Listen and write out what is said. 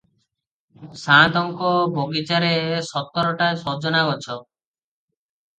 ସାଆନ୍ତଙ୍କ ବଗିଚାରେ ସତରଟା ସଜନାଗଛ ।